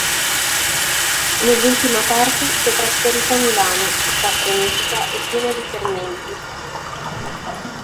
Nell'ultima parte si è trasferito a Milano, città frenetica e piena di fermenti.